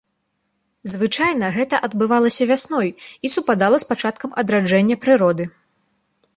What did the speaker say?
Звычайна гэта адбывалася вясной і супадала з пачаткам адраджэння прыроды.